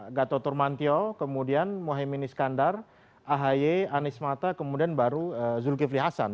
yang gatotur mantio kemudian mohemini skandar ahi anies mata kemudian baru zulkifli hasan